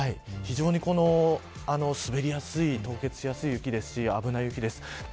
非常にこの滑りやすい凍結しやすい雪ですし危ない雪です。